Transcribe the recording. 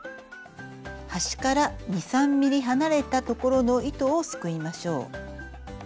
端から２３ｍｍ離れた所の糸をすくいましょう。